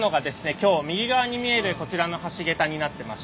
今日右側に見えるこちらの橋桁になってまして。